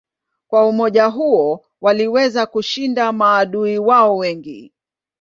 Kwa umoja huo waliweza kushinda maadui wao wengi.